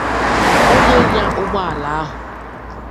onye nya ụgbọala ahụ